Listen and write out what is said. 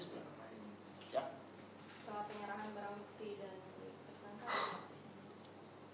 setelah penyerahan beramuqti dan tersangka apa yang akan diambil